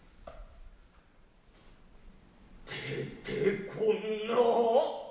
出てこんな。